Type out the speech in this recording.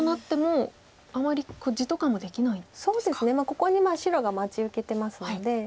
ここに白が待ち受けてますので。